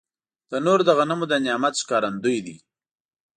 تنور د غنمو د نعمت ښکارندوی دی